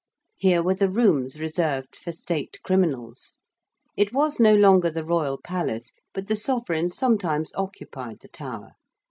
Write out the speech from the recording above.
Here were the rooms reserved for state criminals. It was no longer the Royal Palace but the sovereign sometimes occupied the Tower.